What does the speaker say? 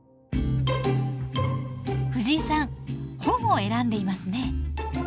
フジイさん本を選んでいますね。